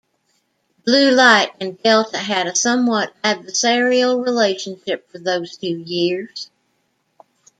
Blue Light and Delta had a somewhat adversarial relationship for those two years.